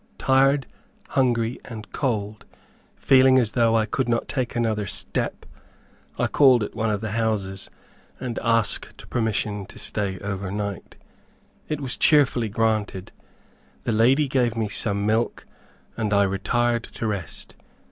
Tired, hungry and cold, feeling as though I could not take another step, I called at one of the houses, and asked permission to stay over night. It was cheerfully granted. The lady gave me some milk, and I retired to rest.